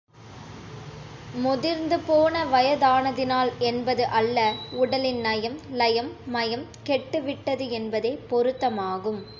முதிர்ந்து போன வயதானதினால் என்பது அல்ல, உடலின் நயம், லயம், மயம் கெட்டு விட்டது என்பதே பொருத்தமாகும்.